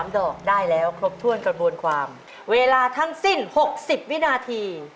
๓ดอกได้แล้วครบถ้วนกระบวนความเวลาทั้งสิ้น๖๐วินาที